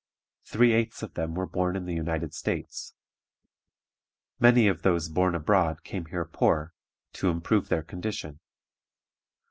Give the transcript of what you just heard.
Three eighths of them were born in the United States. Many of those born abroad came here poor, to improve their condition.